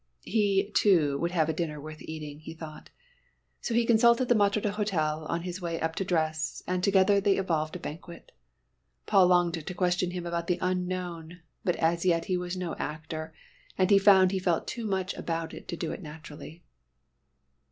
He, too, would have a dinner worth eating, he thought. So he consulted the maître d'hôtel on his way up to dress, and together they evolved a banquet. Paul longed to question the man about the unknown, but as yet he was no actor, and he found he felt too much about it to do it naturally.